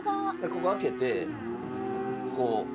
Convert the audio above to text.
ここ開けてこうここで。